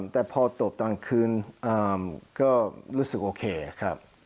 แต่พอตบตอนคืนก็รู้สึกโอเคครับ